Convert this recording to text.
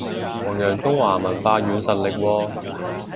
弘揚中華文化軟實力喎